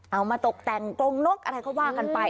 เอามาตกแต่งกรงนกอะไรก็ว่ากันไป